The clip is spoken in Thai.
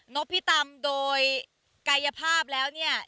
พิตำโดยกายภาพแล้วเนี่ย